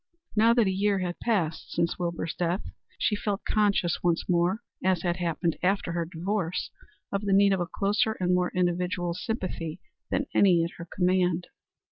Now that a year had passed since Wilbur's death, she felt conscious once more, as had happened after her divorce, of the need of a closer and more individual sympathy than any at her command.